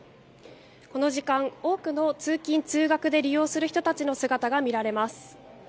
この時間、多くの通勤・通学で利用する人たちの姿が見られます。